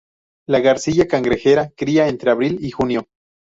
La garcilla cangrejera cría entre abril y junio.